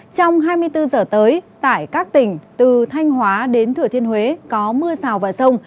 trong hai mươi bốn h tới tại các tỉnh từ thanh hóa đến thửa thiên huế có mưa rào vào sông